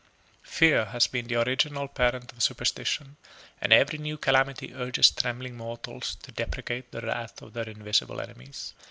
3.] Fear has been the original parent of superstition, and every new calamity urges trembling mortals to deprecate the wrath of their invisible enemies.